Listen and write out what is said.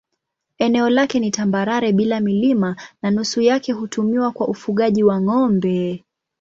Eneo lake ni tambarare bila milima na nusu yake hutumiwa kwa ufugaji wa ng'ombe.